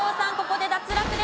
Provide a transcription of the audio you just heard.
ここで脱落です。